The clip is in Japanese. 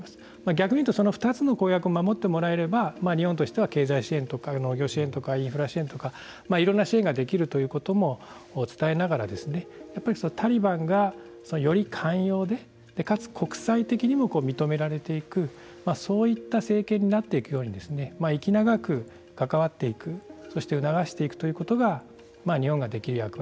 逆に言うとその２つの公約を守ってもらえれば日本としては経済支援とか農業支援とかインフラ支援とかいろんな支援ができるということも伝えながらやっぱりタリバンがより寛容でかつ国際的にも認められていくそういった政権になっていくように息長く関わっていくそして促していくということが日本ができる役割